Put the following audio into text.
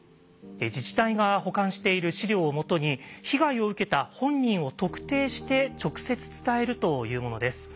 自治体が保管している資料を基に被害を受けた本人を特定して直接伝えるというものです。